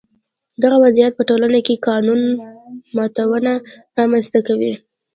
دغه وضعیت په ټولنه کې قانون ماتونه رامنځته کوي.